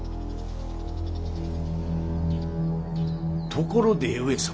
ところで上様。